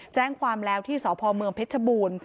แจ้งความแล้วที่สพเผชบูรณ์